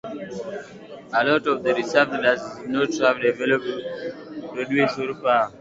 A lot of the reserve does not have developed roadways or power.